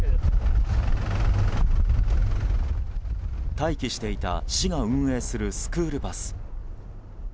待機していた市が運営するスクールバス。